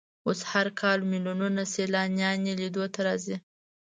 اوس هر کال ملیونونه سیلانیان یې لیدو ته راځي.